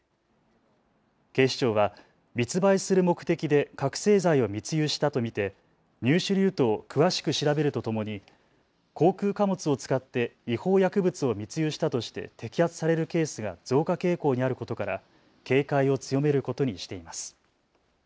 警視庁は密売する目的で覚醒剤を密輸したと見て入手ルートを詳しく調べるとともに航空貨物を使って違法薬物を密輸したとして摘発されるケースが増加傾向にあることから警戒を強めることにしています。